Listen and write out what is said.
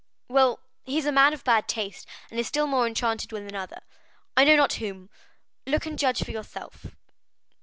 Well, he is a man of bad taste, and is still more enchanted with another. I know not whom; look and judge for yourself."